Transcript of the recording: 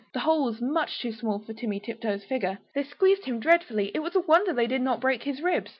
The hole was much too small for Timmy Tiptoes' figure. They squeezed him dreadfully, it was a wonder they did not break his ribs.